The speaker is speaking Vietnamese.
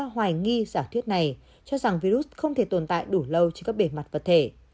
hoài nghi giả thuyết này cho rằng virus không thể tồn tại đủ lâu trên các bề mặt vật thể